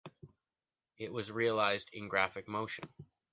It was realized in graphic motion.